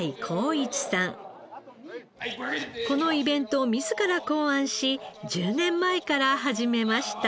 このイベントを自ら考案し１０年前から始めました。